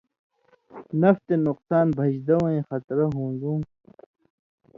نَفع تے نُقصان بھژدہ وَیں خَطرہ ہُون٘دُوں